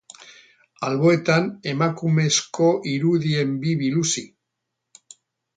Alboetan, emakumezko irudien bi biluzi.